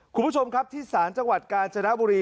คุณผู้ชมครับที่ศาลจังหวัดกาญจนบุรี